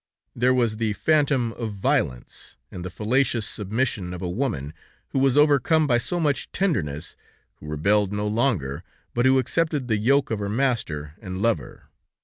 There was the phantom of violence, and the fallacious submission of a woman, who was overcome by so much tenderness, who rebelled no longer, but who accepted the yoke of her master and lover.